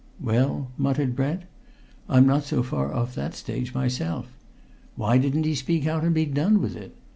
"Well?" muttered Brent. "I'm not so far off that stage myself. Why didn't he speak out, and be done with it.